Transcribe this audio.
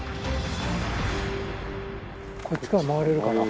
・こっちから回れるかな？